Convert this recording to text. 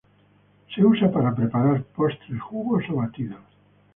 Se usa para preparar postres, jugos o batidos.